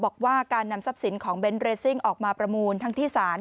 บอกว่าการนำทรัพย์สินของเบนท์เรซิ่งออกมาประมูลทั้งที่ศาล